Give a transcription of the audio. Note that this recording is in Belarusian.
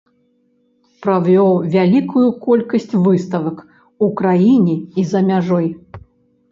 Правёў вялікую колькасць выставак у краіне і за мяжой.